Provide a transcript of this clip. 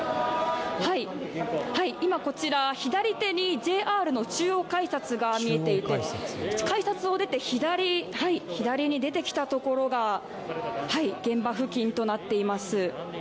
今こちら、左手にＪＲの中央改札が見えていて改札を出て左に出てきたところが現場付近となっています。